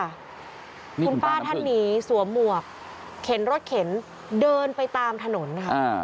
นี่คุณป้าน้ำพึ่งคุณป้าท่านนี้สวมหมวกเข็นรถเข็นเดินไปตามถนนค่ะ